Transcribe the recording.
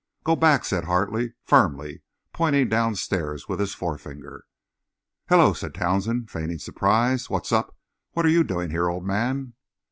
"Go back," said Hartley, firmly, pointing downstairs with his forefinger. "Hullo!" said Townsend, feigning surprise. "What's up? What are you doing here, old man?"